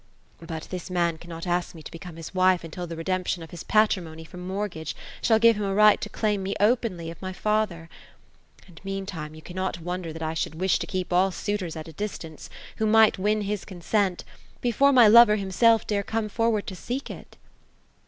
But this man cannot ask me to become his wife, until the redemption of his patrimony from mortgage, shall give him a right to claim me openly of my father ; and meantime, you cannot wonder that I should wish to keep all suitors at a distance, who might win his consent, before my lover himself dare come forward to seek it."